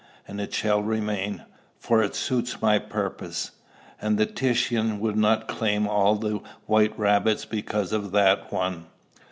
"And it shall remain; for it suits my purpose, and Titian would not claim all the white rabbits because of that one."